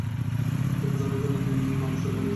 আমাদের পৌঁছানোর দিন থেকে এ মানুষদের ভালোবেসেছ তুমি।